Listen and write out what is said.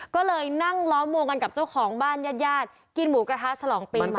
ก็เลยนั่งล้อมวงกันกับเจ้าของบ้านญาติญาติกินหมูกระทะฉลองปีใหม่